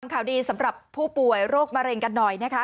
ข่าวดีสำหรับผู้ป่วยโรคมะเร็งกันหน่อยนะคะ